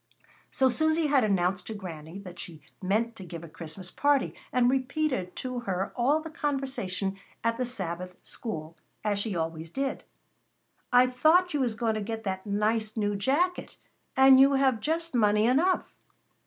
So Susy had announced to Granny that she meant to give a Christmas party, and repeated to her all the conversation at the Sabbath school as she always did. "I thought you was going to get that nice new jacket? And you have just money enough."